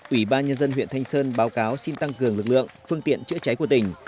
ủy ban nhân dân huyện thanh sơn báo cáo xin tăng cường lực lượng phương tiện chữa cháy của tỉnh